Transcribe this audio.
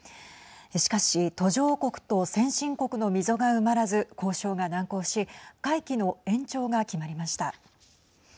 しかし途上国と先進国の溝が埋まらず交渉が難航し会期の延長が決まりました。